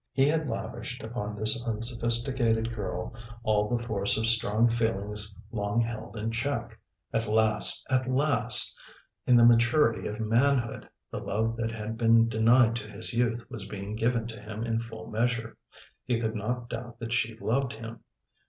He had lavished upon this unsophisticated girl all the force of strong feelings long held in check. At last, at last, in the maturity of manhood, the love that had been denied to his youth was being given to him in full measure. He could not doubt that she loved him.